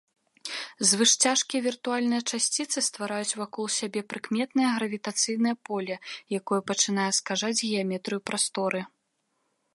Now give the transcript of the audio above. Звышцяжкія віртуальныя часціцы ствараюць вакол сябе прыкметнае гравітацыйнае поле, якое пачынае скажаць геаметрыю прасторы.